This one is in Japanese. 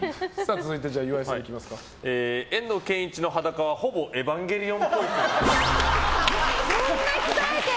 遠藤憲一の裸はほぼエヴァンゲリオンっぽい。